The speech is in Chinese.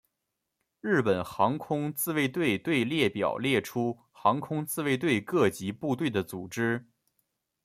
日本航空自卫队队列表列出航空自卫队各级部队的组织。